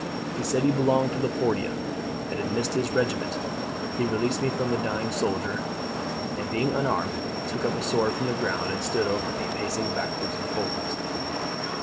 He said he belonged to the 40th, and had missed his regiment; he released me from the dying soldier, and being unarmed, took up a sword from the ground, and stood over me, pacing backwards and forwards.